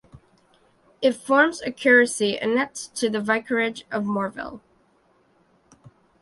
It forms a curacy annexed to the vicarage of Morvill.